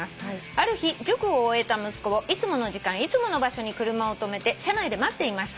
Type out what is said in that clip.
「ある日塾を終えた息子をいつもの時間いつもの場所に車を止めて車内で待っていました」